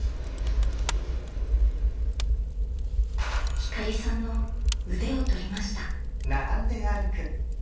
光さんの腕を取りました。